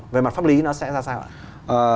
về mặt pháp lý nó sẽ ra sao ạ